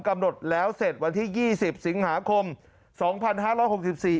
กำหนดแล้วเสร็จวันที่ยี่สิบสิงหาคมสองพันห้าร้อยหกสิบสี่